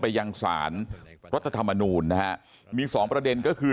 ยังสารรัฐธรรมนูลนะฮะมีสองประเด็นก็คือ